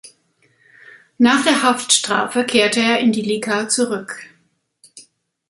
Nach der Haftstrafe kehrte er in die Lika zurück.